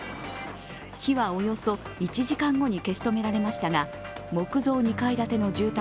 火はおよそ１時間後に消し止められましたが木造２階建ての住宅